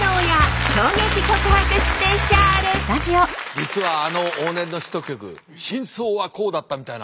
実はあの往年のヒット曲真相はこうだったみたいな。